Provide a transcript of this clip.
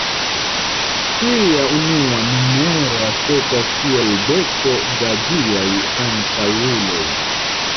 Ŝia unua numero aspektas kiel deko da ĝiaj antaŭuloj.